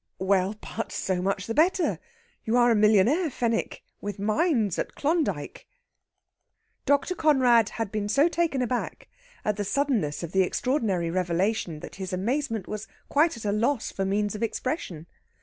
"Well, but so much the better! You are a millionaire, Fenwick, with mines at Klondyke...." Dr. Conrad had been so taken aback at the suddenness of the extraordinary revelation that his amazement was quite at a loss for means of expression.